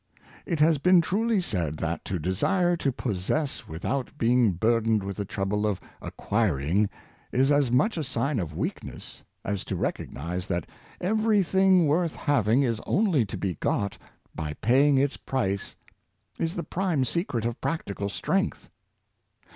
It has been truly said that to desire to possess with out being burdened with the trouble of acquiring is as much a sign of weakness, as to recognize that every thing worth having is only to be got by paying its price is the prime secret of practical strength.